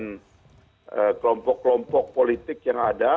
dengan kelompok kelompok politik yang ada